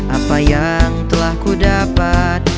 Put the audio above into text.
apa yang telah kudapat